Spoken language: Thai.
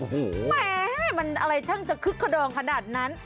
แหมมันอะไรช่างจะคึกขนองขนาดนั้น